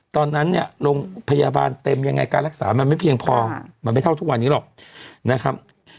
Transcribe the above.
ตอนนั้นเนี่ยโรงพยาบาลเต็มยังไงการรักษามันไม่เพียงพอมันไม่เท่าทุกวันนี้หรอกนะครับ